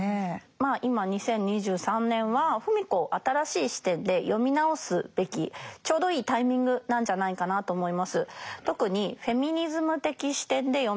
まあ今２０２３年は芙美子を新しい視点で読み直すべきちょうどいいタイミングなんじゃないかなと思います。